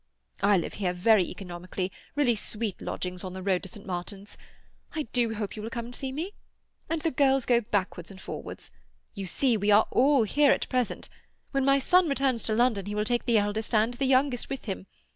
I live here very economically—really sweet lodgings on the road to St. Martin's; I do hope you will come and see me. And the girls go backwards and forwards. You see we are all here at present. When my son returns to London he will take the eldest and the youngest with him.